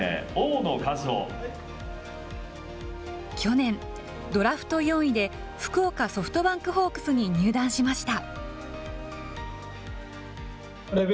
去年、ドラフト４位で、福岡ソフトバンクホークスに入団しました。